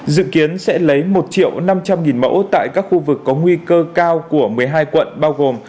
dự kiến sẽ lấy một năm trăm linh mẫu tại các khu vực có nguy cơ cao của một mươi hai quận bao gồm